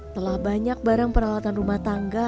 telah banyak barang peralatan rumah tangga